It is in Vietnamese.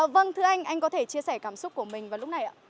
vâng thưa anh anh có thể chia sẻ cảm xúc của mình vào lúc này ạ